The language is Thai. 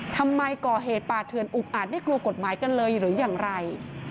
ทำไมก่อเหตุป่าเถื่อนอุกอาจไม่กลัวกฎหมายกันเลยหรืออย่างไร